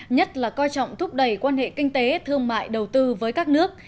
nhất là coi trọng thúc đẩy quan hệ kinh tế thương mại đầu tư với các nước